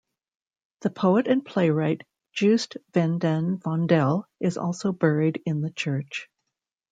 The poet and playwright Joost van den Vondel is also buried in the church.